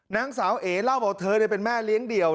นางสาวเอ๋เล่าบอกเธอเป็นแม่เลี้ยงเดี่ยว